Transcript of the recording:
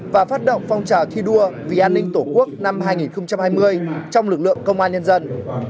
và phát động phong trào thi đua vì an ninh tổ quốc năm hai nghìn hai mươi trong lực lượng công an nhân dân